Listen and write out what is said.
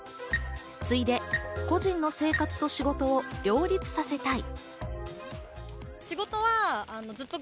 次いで、個人の生活と仕事を両立させたい。